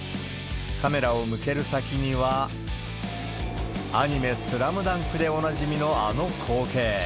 カメラを向ける先には、アニメ、スラムダンクでおなじみの、あの光景。